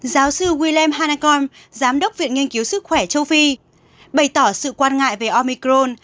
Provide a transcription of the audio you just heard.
giáo sư wilem hannakong giám đốc viện nghiên cứu sức khỏe châu phi bày tỏ sự quan ngại về omicron